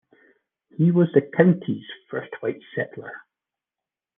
He was the county's first white settler.